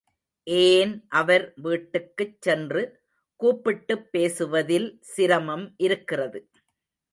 ஏன் அவர் வீட்டுக்குச் சென்று கூப்பிட்டுப் பேசுவதில் சிரமம் இருக்கிறது.